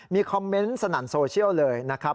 มีคอมเมนต์สนั่นโซเชียลเลยนะครับ